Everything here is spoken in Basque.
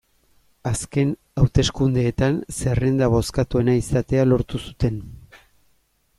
Azken hauteskundeetan zerrenda bozkatuena izatea lortu zuten.